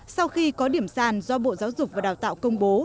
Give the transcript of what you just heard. sau khi có điểm sàn do bộ giáo dục và đào tạo công bố